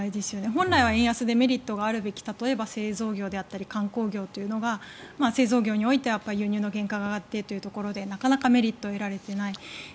本来は円安でメリットがあるべき例えば、製造業だったり観光業というのが製造業においては輸入の原価が上がってというところでなかなかメリットが得られていない。